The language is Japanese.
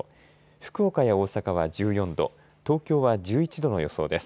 福岡や大阪は１４度東京は１１度の予想です。